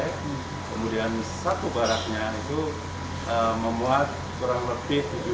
kemudian satu baraknya itu memuat kurang lebih tujuh puluh dua santri